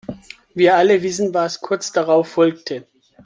Wir alle wissen, was kurz darauf folgte.